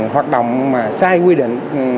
hoạt động sai quy định